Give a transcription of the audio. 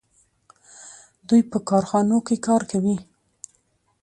دوی په کارخانو کې کار کوي.